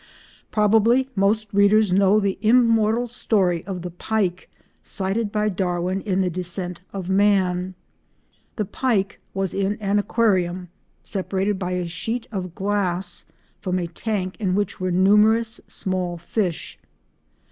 Probably most readers know the immortal story of the pike cited by Darwin in the Descent of Man. The pike was in an aquarium, separated by a sheet of glass from a tank in which were numerous small fish.